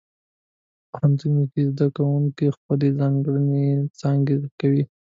پوهنتون کې زده کوونکي خپلې ځانګړې څانګې زده کوي.